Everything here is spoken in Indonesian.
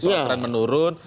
suatu peran menurun